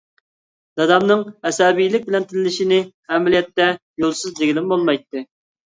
دادامنىڭ ئەسەبىيلىك بىلەن تىللىشىنى ئەمەلىيەتتە يولسىز دېگىلىمۇ بولمايتتى.